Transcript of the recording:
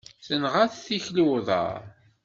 Tenɣa-t tikli uḍar.